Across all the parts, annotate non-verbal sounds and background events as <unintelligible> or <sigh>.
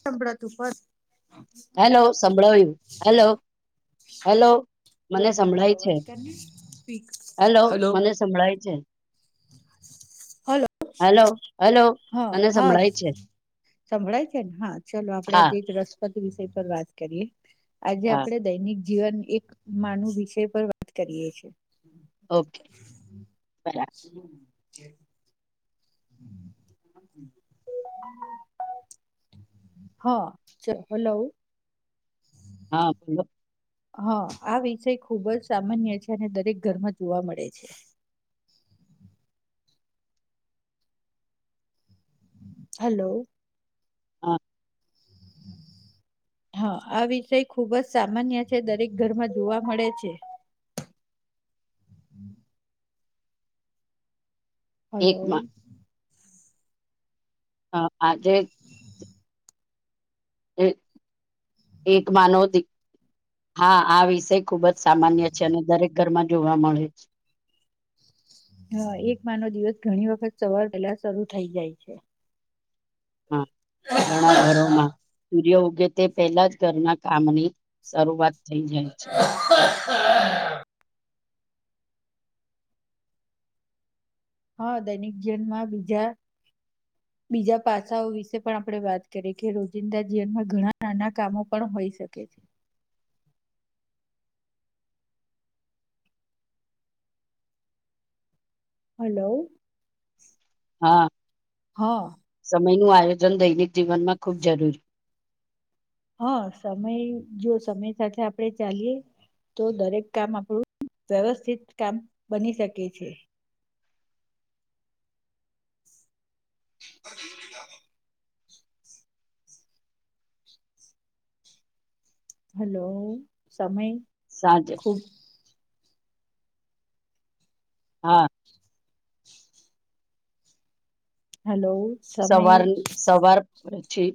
સંભળાતું પર હેલો સંભળાવ્યું, હેલો. હેલો. મને કોમનથી સંભળાય છે, અવાજ કરને સ્પીક હેલો મને સંભળાય છે. હલો. હલો હલો હા મને હા સંભળાય છે. સંભળાય છે, ને હા ચાલ આપડે હા આજે એક રસપ્રદ વિષય પર વાત કરીએ આજે હા આપડે દૈનિક જીવન એક માનવ વિષય પર વાત કરીએે છે. ઓકે, બરા છીએ હા ચ હલો. હા. હા આ વિષય ખૂબજ સામાન્ય છે, અને દરેક ઘરમાં જોવા મળે છે. હલો. હા. હા, આ વિષય ખુબજ સામાન્ય છે, દરેક ઘરમાં જોવા મળે છે. હલો. હા આજે એ એક માનોવ દી હા, આ વિષય ખુબજ સામાન્ય છે અને દરેક ઘરમાં જોવા મળે છે. હા એક માંનો દિવસ ઘણી વખત સવાર પેલા શરૂ થઈ જાય છે. હા, ઘણા ઘરોમાં સૂર્ય ઉગ કે તે પહેલા જ ઘરના કામની શરૂઆત થઈ જાય છે. <inaudible> હ, દૈનિક જીવનમાં બીજા બીજા પાસાઓ વિશે પણ આપડે વાત કરીએ કે રોજિંદા જીવનમાં ઘણા નાના કામો પણ હોઈ શકે. છે હલો, હ. સમયનું આયોજન દૈનિક જીવનમાં ખૂબ જરૂરી. હ સમય, જો સમય સાથે આપડે ચાલીએ. તો દરેક કામ આપડું વ્યવસ્થિત કામ બની શકે છે. હલો, સમય સાંજે ખૂબ હા. હેલો. સવારની સવાર પડે છે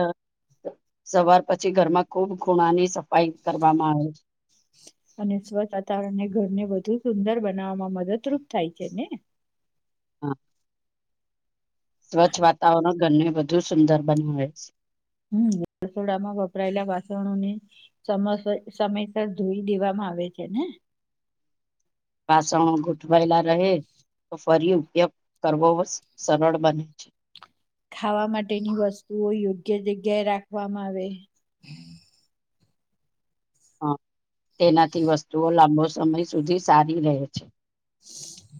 અ સવાર પછી ઘરમાં ખૂબ ખૂણાની સફાઈ કરવામાં આવે છે. અને સ્વચ્છ વાતાવરણને ઘરને વધુ સુંદર બનાવવામાં મદદરૂપ થાય છે ને. હા. સ્વચ્છ વાતાવરણ ઘરને વધુ સુંદર બનાવે છે. હમ્મ રસોડામાં વપરાયેલા વાસણોને સમસ સમયસર ધોઈ દેવામાં આવે છે ને. વાસણો ગોઠવાયેલા રહે તો ફરી ઉપયોગ કરવો સરળ બને છે ખાવા માટેની વસ્તુઓ યોગ્ય જગ્યાએ રાખવામાં આવે હ તેનાથી વસ્તુઓ લાંબો સમય સુધી સારી રહે છે.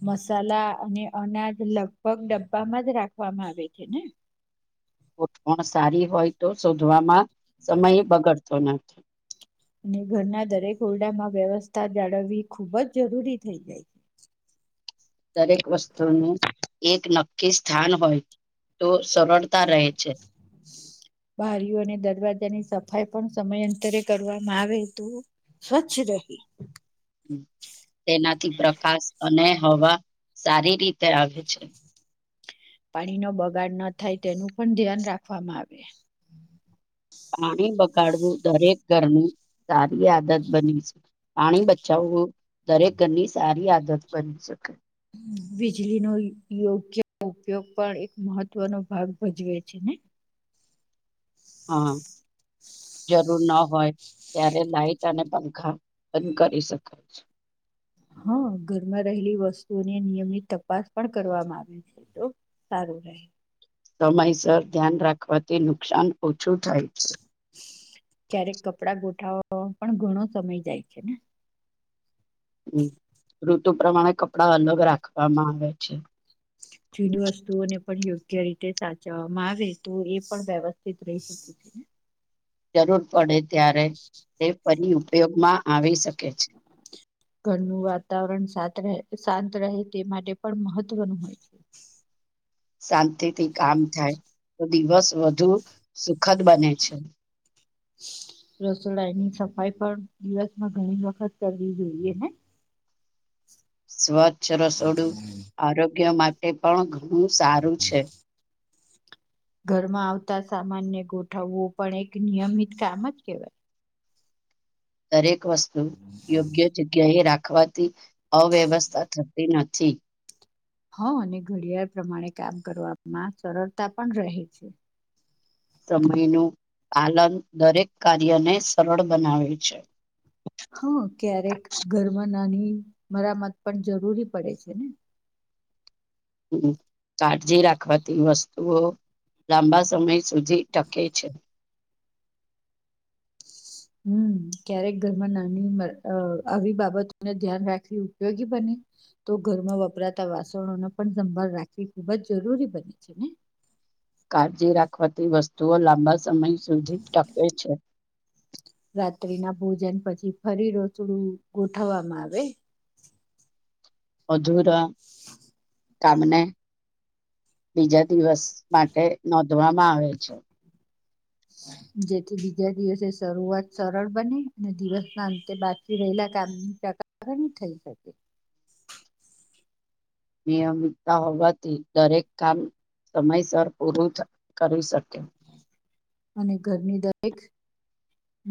મસાલા અને અનાજ લગભગ ડબ્બામાં જ રાખવામાં આવે છે ને ગોઠવણ સારી હોય તો શોધવામાં સમય બગડતો નથી. અને ઘરના દરેક ઓરડામાં વ્યવસ્થા જાળવવી ખુબ જ જરૂરી થઈ જાય છે. દરેક વસ્તુનું એક નક્કી સ્થાન હોય તો સરળ બારીઓ અને દરવાજાની સ સફાઈ પણ સમયાંતરે કરવામાં આવે તો સ્વચ્છ રહે. તેનાથી પ્રકાશ અને હવા સારી રીતે આવે છે. પાણીનો બગાડ ન થાય તેનું પણ ધ્યાન રાખવામાં આવે. પાણી બગાડવું દરેક ઘરનું સારી આદત બની શકે પાણી બચાવવું દરેક ઘરની સારી આદત બની શકે. વીજળી નો યોગ્ય ઉપયોગ પણ એક મહત્વનો ભાગ ભજવે છે, ને હા જરૂર ન હોય ત્યારે લાાઈટ અને પંખા બંધ કરી શકાય છે. હા ઘરમાં રહેલી વસ્તુઓની નિયમિત તપાસ પણ કરવામાં આવે છે, તો સારું <unintelligible> સમયસર ધ્યાન રાખવાથી નુકસાન ઓછું થાય છે. ક્યારેક કપડા ગોઠવાવામાં પણ ઘણો સમય જાય છે, ને હ ઋતુ પ્રમાણે કપડા અલગ રાખવામાં આવે છે. જુની વસ્તુઓને પણ યોગ્ય રીતે સાચવવામાં આવે તો એ પણ વ્યવસ્થિત રહી શકે છે. ને જરૂર પડે ત્યારે તે ફરી ઉપયોગમાં આવી શકે છે. ઘરનું વાતાવરણ સાત રહે શાંત રહે તે માટે પણ મહત્વનું હોય છે. શાંતિથી કામ થાય. તો દિવસ વધુ સુખદ બને છે. રસોડાની સફાઈ પણ દિવસમાં ઘણી વખત કરવી જોઈએ ને સ્વચ્છ રસોડું આરોગ્ય માટે પણ બો સારું છે. ઘરમાં આવતા સામાનને ગોઠવવું પણ એક નિયમિત કામ જ કેહેવાય દરેક વસ્તુ યોગ્ય જગ્યાએ રાખવાથી અવ્યવસ્થા થ તી નથી હ અને ઘડિયાળ પ્રમાણે કામ કરવામાં સરળતા પણ રહે છે. સમયનું પાલન દરેક કાર્યને સરળ બનાવે છે. હા ક્યારેક ઘરમાં નાની મરામત પણ જરૂરી પડે છે, ને હમ કાળજી રાખવાથી વસ્તુઓ લાંબા સમય સુધી ટકે છે. હમ ક્યારેક ઘરમાં નાની અ આવી બાબતોને ધ્યાન રાખવી ઉપયોગી બને તો ઘરમાં વપરાતા વાસણોને પણ સંભાળ રાખવી ખુબ જ જરૂરી બને છે, નેે કાળજી રાખવાથી વસ્તુઓ લાંબા સમય સુધી ટકે છે. રાત્રિના ભોજન પછી ફરી રસડું ગોઠવવામાં આવે અધુરા કામને બીજા દિવસ માટે નોંધવામાં આવે છે. જેથી બીજા દિવસે શરૂઆત સરળ બને અને દિવસના અંતે બાકી રહેલા કામ <unintelligible> થઈ શકે નિયમિતતા હોવાથી દરેક કામ સમયસર પૂરું થ કરી શકે અને ઘરની દરેક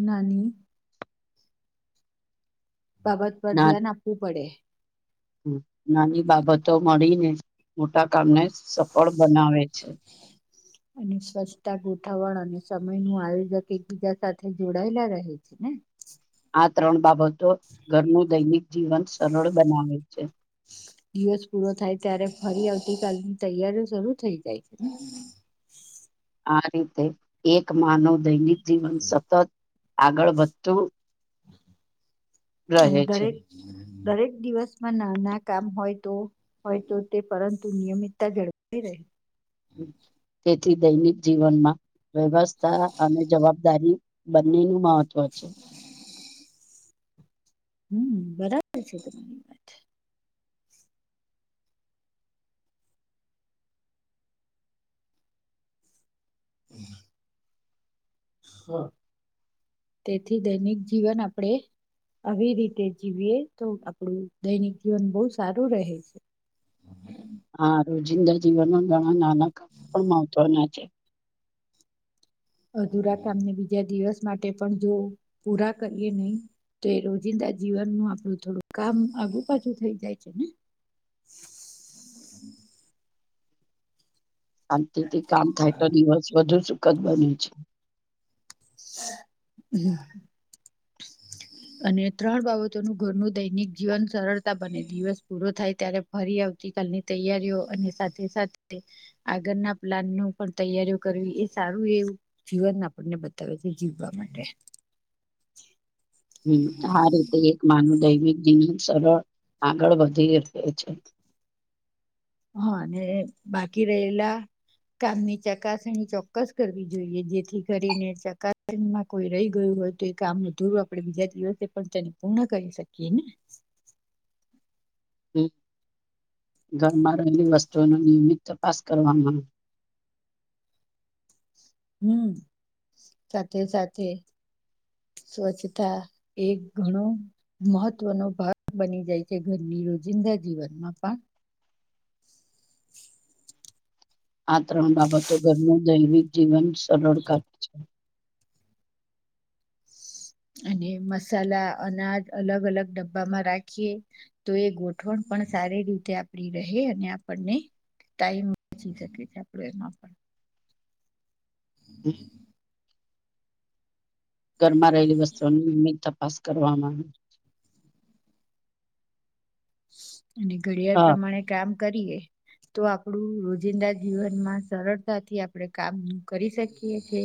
નાની બાબત પર ના ધ્યાન આપવું પડે નાની બાબતો મળીને મોટા કામને સફળ બનાવે છે. અને સ્વચ્છતા ગોઠવણ અને સમયનું આયોજક એકબીજા સાથે જોડાયેલા રહે છે, ને <inaudible> આ ત્રણ બાબતો ઘરનું દૈનિક જીવન સરળ બનાવે છે. દિવસ પૂરો થાય ત્યારે ફરી આવતી કાલની તૈયારીઓ શરૂ થઈ જાય છે, ને આ રીતે એક માનવ દૈનિક જીવન સતત આગળ વધતું અને રહે છે દરેક દરેક દિવસમાં નાના કામ હોય તો હોય તો તે પરંતુ નિયમિતતા જળવાઈ રહે <inaudible> તેથી દૈનિક જીવનમાં વ્યવસ્થા અને જવાબદારી બંનેનું મહત્વ છે. હમ્મ બરાબર છે તમારી વાત હમ્મ તેથી દૈનિક જીવન આપડે આવી રીતે જીવીએ તો આપણું દૈનિક જીવન બહુ સારું રહે છે. <inaudible> હા રોજિંદા જીવનમાં ઘણા નાના કામ પણ મહત્વના છે. અધુરા કામને બીજા દિવસ માટે પણ જો પૂરા કરીએ નહી તો એ રોજિંદા જીવન નું આપડું થોડું કામ આગુ પાછું થઈ જાય છે ને <inaudible> શાંતિથી કામ થાય તો દિવસ વધુ સુખદ બને છે <inaudible> અને ત્રણ બાબતોનું ઘરનું દૈનિક જીવન સરળતા બને દિવસ પૂરો થાય ત્યારે ફરી આવતીકાલની તૈયારીઓ અને સાથે સાથે આગળના પ્લાન નું પણ તૈયારીઓ કરવી. સારું એવું જીવન આપણને બતાવે છે જીવવા માટે હમ્મ આ રીતે એક માનવ દૈમિક જીવન સરળ આગળ વધી રહે છે હા અને બાકી રહેલા કામની ચકાસણી ચોક્કસ કરવી જોઈએ જેથી કરીને ચકાસણીમાં કોઈ રહી ગયું હોય તો એ કામ ન ધૂર આપણે બીજા દિવસે પણ તેને પૂર્ણ કરી શકીએ ને હમ્મ ઘરમાં રહેલી વસ્તુઓનો નિયમિત તપાસ કરવામાં આવે હહમ્મ સાથે સાથે સ્વચ્છતા એક ઘણો મહત્વનો ભાગ બની જાય છે ઘરની રોજિંદા જીવનમાં પણ આ ત્રણ બાબતો ઘરનું દૈવિક જીવન સરળતા છે અને મસાલા અનાજ અલગ અલગ ડબ્બામાં રાખીએે તો એ ગોઠવણ પણ પણ સારી રીતે આપડી રહે અને આપણને ટાઈમ બચી શકે છે આપડું એમાં પણ હમ્મ ઘરમાં રહેલી વસ્તુઓની નિયમિત તપાસ કરવામાં આવી અને ઘડિયાળ હા પ્રમાણે કામ કરીએ તો આપણું રોજિંદા જીવનમાં સરળતાથી આપણે કામ કરી શકીએ હે હે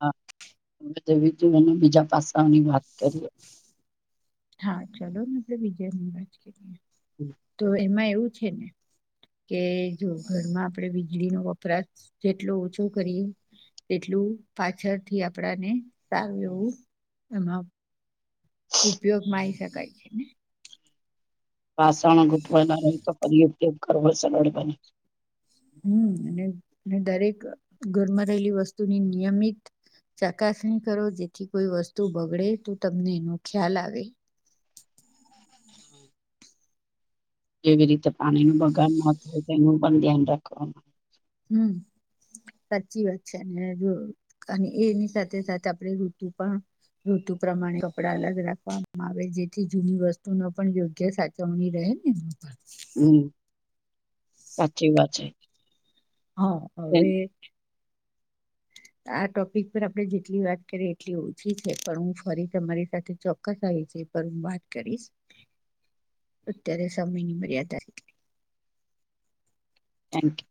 હા હવે <unintelligible> બીજા પાસાઓની વાત કરીએ હા ચલોને એટલે બીજય ન રાજ કરીએ તો એમાં એવું છે ને કે જો ઘરમાં આપણેે વીજળીનો વપરાશ જેટલો ઓછો કરીએ એટલું પાછળથી આપડાને સાર એવું એમાં ઉપયોગમાં આવી શકાય છે ને વાસણ ગોઠવાના હોય તો ફરી ઉપયોગ કરવો સરળ બને હમ્મ અને દરેક ઘરમાં રહેલી વસ્તુની નિયમિત ચકાસણી કરો જેથી કોઈ વસ્તુ બગડે તો તમને એનો ખ્યાલ આવે જેવી રીતે પાણી નું બગાડ ન થાય તો એનું પણ ધ્યાન રાખવાનું. હમ્મ સાચી વાત છે અને અને એની સાથે સાથે આપડે ઋતુ પણ ઋતુ પ્રમાણે કપડા અલગ રાખવામાં આવે જેથી જૂની વસ્તુ ન પણ યોગ્ય સાચવણી રહે <unintelligible> હમ્મ સાચી વાત છે. હા થેન્ક હવે આ ટોપિક પર આપણે જેટલી વાત કરીએ એટલી ઓછી છે પણ હું ફરી તમારી સાથે ચોક્કસ આવી હજી પણ હું વાત કરીશ. અત્યારે સમયની મર્યાદા છે એટલે. Thank you.